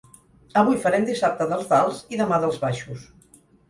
Avui farem dissabte dels dalts i demà dels baixos.